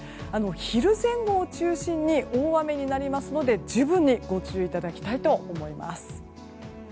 昼前後を中心に大雨になりますので十分にご注意いただきたいと思います。